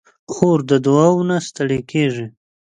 خور د دعاوو نه ستړې کېږي.